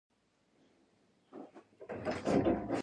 تاسي به د دربار په دروازه کې ما ونیسئ.